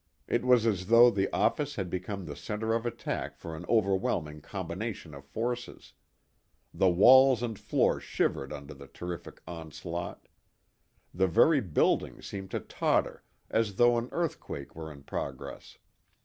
It was as though the office had become the centre of attack for an overwhelming combination of forces. The walls and floor shivered under the terrific onslaught. The very building seemed to totter as though an earthquake were in progress.